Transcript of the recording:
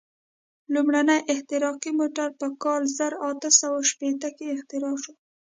لومړنی احتراقي موټر په کال زر اته سوه شپېته کې اختراع شو.